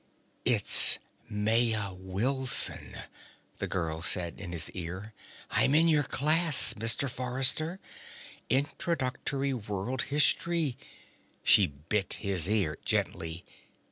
"I'm Maya Wilson," the girl said in his ear. "I'm in your class, Mr. Forrester. Introductory World History." She bit his ear gently.